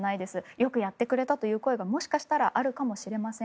よくやってくれたという声がもしかしたらあるかもしれません。